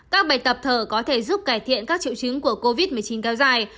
các bài tập thở có thể giúp cải thiện các triệu chứng của covid một mươi chín kéo dài